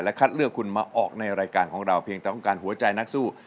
คัดเลือกคุณมาออกในรายการของเราเพียงแต่ต้องการหัวใจนักสู้